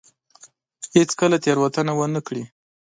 هېڅ کله تېروتنه ونه کړي.